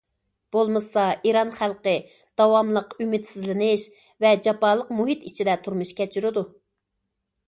بولمىسا ئىران خەلقى داۋاملىق ئۈمىدسىزلىنىش ۋە جاپالىق مۇھىت ئىچىدە تۇرمۇش كەچۈرىدۇ.